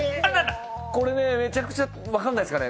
これめちゃくちゃ、わかんないっすかね？